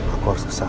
aku harus kesah